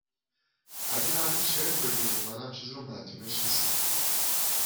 اگر مردی چرت بگه، منم چیزی رو مدیونش نیستم